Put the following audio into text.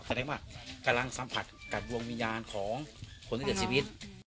แสดงว่ากำลังสัมผัสกับดวงวิญญาณของคนที่เกิดชีวิต